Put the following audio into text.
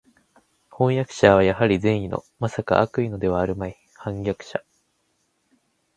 飜訳者はやはり善意の（まさか悪意のではあるまい）叛逆者